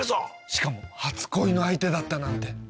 しかも初恋の相手だったなんて。